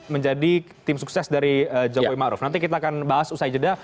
menjadi tim sukses dari jokowi ma'ruf nanti kita akan bahas usai jeda